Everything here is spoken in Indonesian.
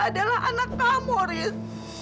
dia adalah anak kamu riz